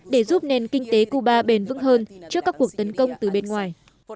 để giúp nền kinh tế cuba bền vững hơn trước các cuộc tấn công từ bên ngoài